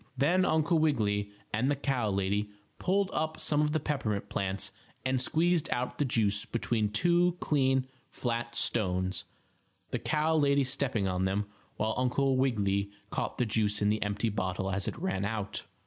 Then Uncle Wiggily and the cow lady pulled up some of the peppermint plants and squeezed out the juice between two clean, flat stones, the cow lady stepping on them while Uncle Wiggily caught the juice in the empty bottle as it ran out.